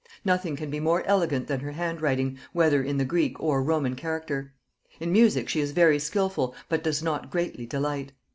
Nothing can be more elegant than her handwriting, whether in the Greek or Roman character. In music she is very skilful, but does not greatly delight.